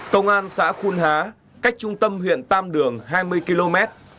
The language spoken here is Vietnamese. công an xã khuôn há cách trung tâm huyện tam đường hai mươi km